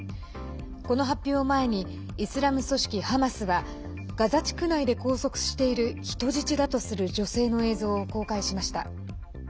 この発表を前にイスラム組織ハマスはガザ地区内で拘束している人質だとする女性の映像を公開しました。